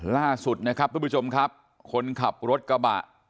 ราศุนาคมขับรถกระบะ